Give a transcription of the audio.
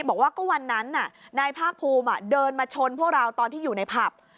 บอกว่าก็วันนั้นนายภาคภูมิเดินมาชนพวกเราตอนที่อยู่ในผับ